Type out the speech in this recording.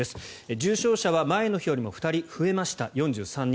重症者は前の日よりも２人増えました４３人。